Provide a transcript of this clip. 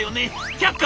却下」。